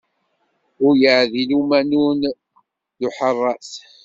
Ur yeɛdil umanun d uḥeṛṛat.